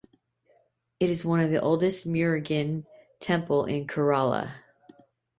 It is one of the oldest Murugan temple in Kerala.